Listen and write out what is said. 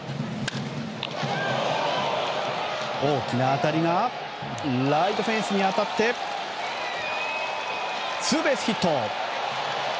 大きな当たりがライトフェンスに当たってツーベースヒット！